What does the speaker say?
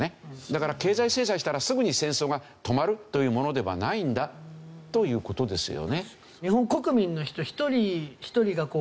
だから経済制裁したらすぐに戦争が止まるというものではないんだという事ですよね。